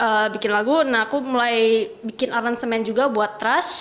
aku bikin lagu nah aku mulai bikin aransemen juga buat trash